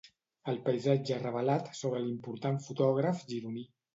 El paisatge revelat sobre l'important fotògraf gironí.